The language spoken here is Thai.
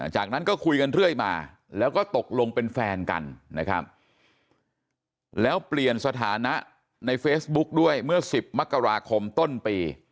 จากนั้นก็คุยกันเรื่อยมาแล้วก็ตกลงเป็นแฟนกันนะครับแล้วเปลี่ยนสถานะในเฟซบุ๊กด้วยเมื่อ๑๐มกราคมต้นปี